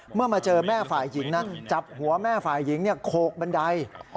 เมื่อมาเจอแม่ฝ่ายหญิงนะจับหัวแม่ฝ่ายหญิงโขกบันได